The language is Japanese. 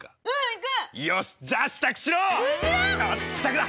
よし支度だ！